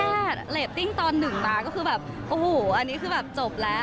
เรตติ้งตอนหนึ่งมาก็คือแบบโอ้โหอันนี้คือแบบจบแล้ว